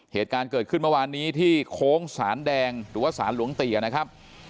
เหตุการณ์เกิดขึ้นเมื่อวานนี้ที่โค้งสารแดงหรือว่าสารหลวงเตียนะครับ